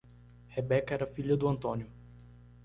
Rebeca era filha do Antônio.